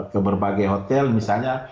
ke berbagai hotel misalnya